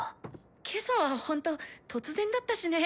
今朝はほんと突然だったしね。